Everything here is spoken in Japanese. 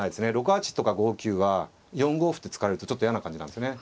６八とか５九は４五歩と突かれるとちょっと嫌な感じなんですね。